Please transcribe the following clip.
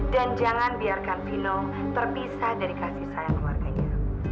dan jangan biarkan vino terpisah dari kasih sayang keluarganya